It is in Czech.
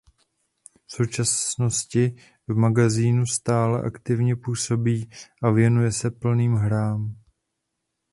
V současnosti v magazínu stále aktivně působí a věnuje se plným hrám.